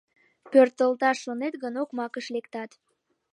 Пӧртылташ шонет гын, окмакыш лектат.